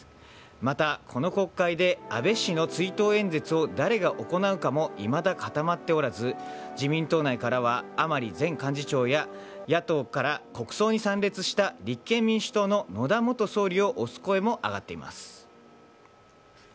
また、この国会で安倍氏の追悼演説を誰が行うかも、いまだ固まっておらず自民党内からは甘利前幹事長や野党から国葬に参列した立憲民主党の野田元総理を推す声も上がっています。